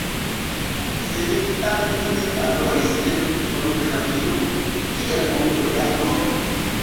Sed kial ili ne parolis en fonografilo, kiel onklo Jako?